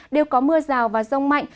đều có mưa rào và rông mạnh